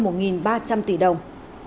hơn một ba trăm linh tỷ đồng